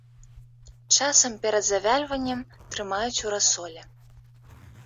Часам перад завяльваннем трымаюць у расоле.